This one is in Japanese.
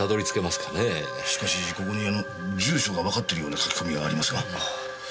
しかしここに住所がわかってるような書き込みがありますが。